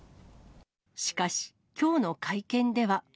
しかし、きょうの会見では。